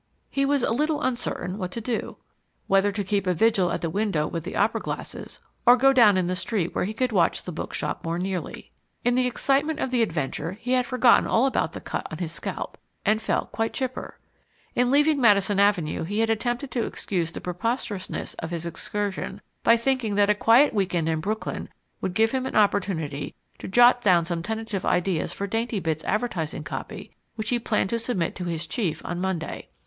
He was a little uncertain what to do: whether to keep a vigil at the window with the opera glasses, or go down in the street where he could watch the bookshop more nearly. In the excitement of the adventure he had forgotten all about the cut on his scalp, and felt quite chipper. In leaving Madison Avenue he had attempted to excuse the preposterousness of his excursion by thinking that a quiet week end in Brooklyn would give him an opportunity to jot down some tentative ideas for Daintybits advertising copy which he planned to submit to his chief on Monday.